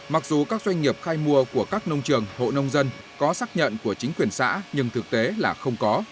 mặc dù các doanh nghiệp khai mua của các nông trường hộ nông dân có xác nhận của chính quyền xã nhưng thực tế là không có